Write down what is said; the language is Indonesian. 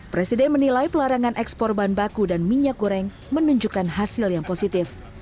presiden menilai pelarangan ekspor bahan baku dan minyak goreng menunjukkan hasil yang positif